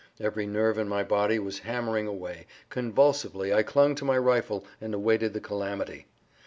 Every nerve in my body was hammering away; convulsively I clung to my rifle, and awaited the calamity.